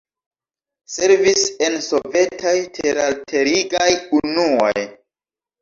Servis en sovetaj teralterigaj unuoj.